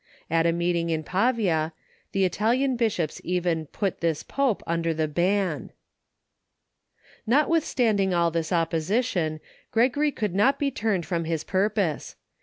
At a meeting in Pavia, the Italian bishops even put this Pope under the ban. Notwithstanding all this opposition, Gregory could not be turned from his purpose.